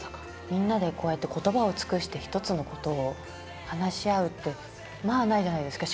みんなでこうやって言葉を尽くして一つのことを話し合うってまあないじゃないですか。